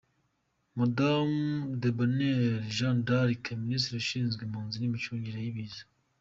Madamu Debonheur Jeanne d’Arc, Minisitiri ushinzwe impunzi n’Imicungire y‘Ibiza.